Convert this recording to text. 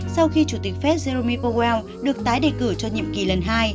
sau khi chủ tịch phép jeremy powell được tái đề cử cho nhiệm kỳ lần hai